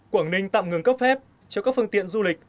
quảng ninh tạm ngừng cấp phép cho các phương tiện du lịch